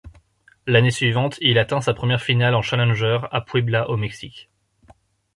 L'année suivante, il atteint sa première finale en Challenger, à Puebla, au Mexique.